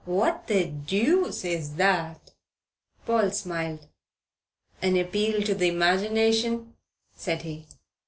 "What the deuce is that?" Paul smiled. "An appeal to the imagination," said he.